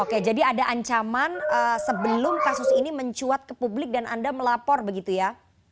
oke jadi ada ancaman sebelum kasus ini mencuat ke publik dan anda melapor begitu ya